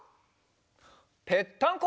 ぺったんこ！